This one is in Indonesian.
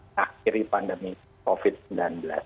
mengakhiri pandemi covid sembilan belas